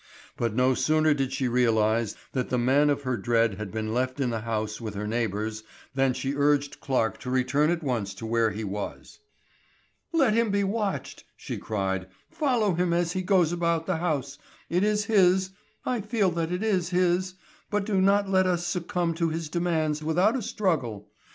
But no sooner did she realize that the man of her dread had been left in the house with her neighbors than she urged Clarke to return at once to where he was. "Let him be watched," she cried; "follow him as he goes about the house. It is his; I feel that it is his, but do not let us succumb to his demands without a struggle.